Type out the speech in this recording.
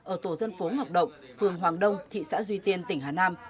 ở tổ dân phố ngọc động phường hoàng đông thị xã duy tiên tỉnh hà nam